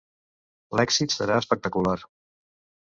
L'èxit serà espectacular.